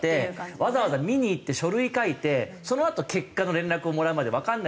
わざわざ見に行って書類書いてそのあと結果の連絡をもらうまでわからないわけじゃないですか。